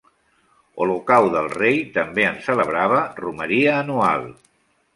Olocau del Rei també en celebrava romeria anual.